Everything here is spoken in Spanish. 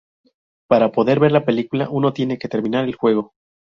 Para poder ver la película uno tiene que terminar el juego.